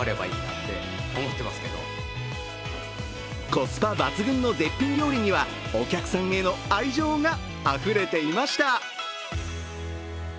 コスパ抜群の絶品料理には、お客さんへの愛情があふれていました。